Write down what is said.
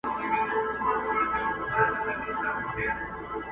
چي څيرلې يې سينې د غليمانو،